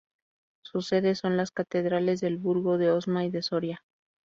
Sus sedes son las catedrales del Burgo de Osma y de Soria.